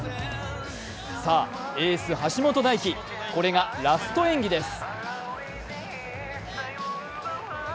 さあ、エース・橋本大輝これがラスト演技です。